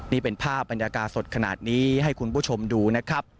นี่เป็นภาพบรรยากาศสดขนาดนี้ให้คุณผู้ชมดูนะครับ